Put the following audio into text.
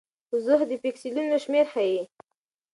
وضوح د پیکسلونو شمېر ښيي.